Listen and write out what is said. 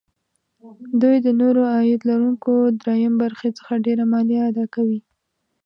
دوی د نورو عاید لرونکو دریم برخې څخه ډېره مالیه اداکوي